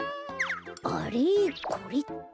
あれこれって？